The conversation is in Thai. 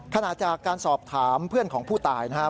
ขณะจากการสอบถามเพื่อนของผู้ตายนะครับ